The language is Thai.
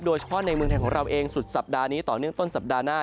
โดยเฉพาะในเมืองไทยของเราเองสุดสัปดาห์นี้ต่อเนื่องต้นสัปดาห์หน้า